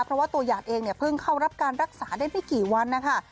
เพราะว่าตัวหยาดเองเนี่ยเพิ่งเข้ารับการรักษาได้ไม่กี่วันนะคะ